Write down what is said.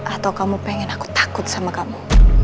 atau kamu pengen aku takut sama kamu